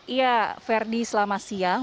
iya ferdi selama siang